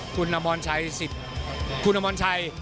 คุณนามอนชัย๑๐คุณนามอนชัย